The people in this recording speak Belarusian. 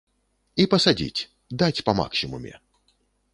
І пасадзіць, даць па максімуме.